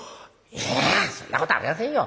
いやそんなことありませんよ！